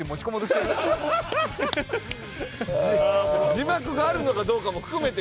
字幕があるのかどうかも含めて。